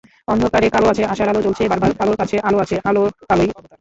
অন্ধকারে কালো আছে, আশার আলো জ্বলছে বারবার, কালোর কাছে আলো আছে, আলো-কালোই অবতার।